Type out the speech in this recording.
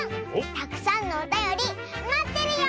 たくさんのおたよりまってるよ！